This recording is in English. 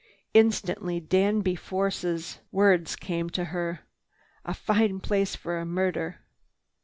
Instantly Danby Force's words came to her. "Fine place for a murder."